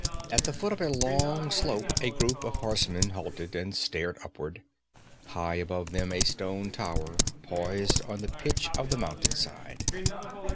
At the foot of a long slope a group of horsemen halted and stared upward. High above them a stone tower poised on the pitch of the mountainside.